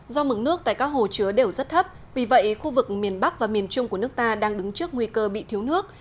do mực nước tại các hồ chứa đều rất thấp vì vậy khu vực miền bắc và miền trung của nước ta đang đứng trước nguy cơ bị thiếu nước